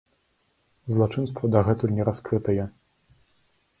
Злачынства дагэтуль не раскрытае.